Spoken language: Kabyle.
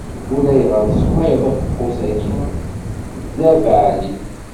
Ulayɣer tesswayeḍ afeqqus-agi, d abeɛli.